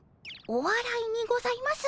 おわらいにございます